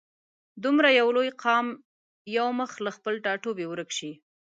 دومره یو لوی قام یو مخ له خپل ټاټوبي ورک شي.